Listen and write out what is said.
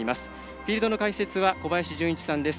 フィールドの解説は小林順一さんです。